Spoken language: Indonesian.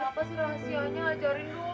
apa sih rahasianya ajarin